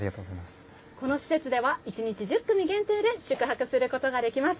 この施設では１日１０組限定で宿泊することができます。